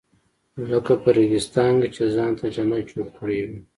لکه په ریګستان کې چا ځان ته جنت جوړ کړی وي.